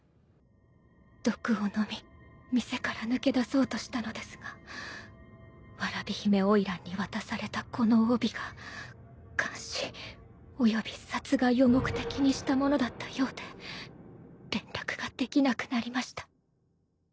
毒を飲み店から抜け出そうとしたのですが蕨姫花魁に渡されたこの帯が監視および殺害を目的にしたものだったようで連絡ができなくなりました。